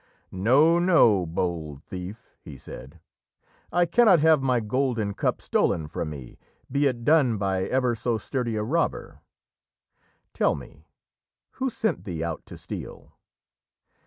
"No! no! bold thief," he said, "I cannot have my golden cup stolen from me, be it done by ever so sturdy a robber. Tell me, who sent thee out to steal?"